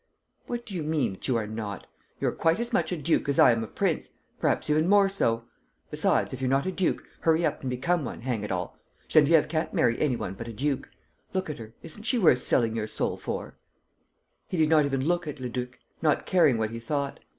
"What do you mean ... that you are not? You're quite as much a duke as I am a prince ... perhaps even more so. ... Besides, if you're not a duke, hurry up and become one, hang it all! Geneviève can't marry any one but a duke! Look at her: isn't she worth selling your soul for?" He did not even look at Leduc, not caring what he thought.